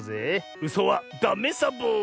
うそはダメサボ！